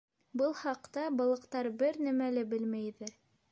Был хаҡта балыҡтар бер нәмә лә белмәйҙәр.